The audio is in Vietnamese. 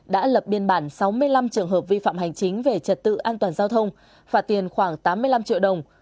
đã lập biên bản sáu mươi năm trường hợp vi phạm hành chính về trật tự an toàn giao thông phạt tiền khoảng tám mươi năm triệu đồng